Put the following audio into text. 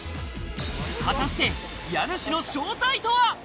果たして家主の正体とは？